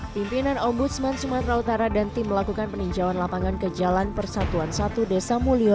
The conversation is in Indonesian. pimpinan ombudsman sumatera utara dan tim melakukan peninjauan lapangan ke jalan persatuan satu desa mulyo